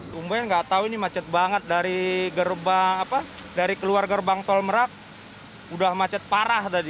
semuanya nggak tahu ini macet banget dari keluar gerbang tol merak udah macet parah tadi